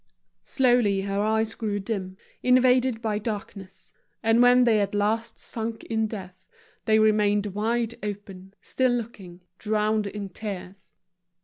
Slowly her eyes grew dim, invaded by darkness; and when they at last sunk in death, they remained wide open, still looking, drowned in tears.